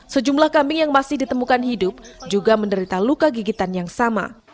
sejumlah kambing yang masih ditemukan hidup juga menderita luka gigitan yang sama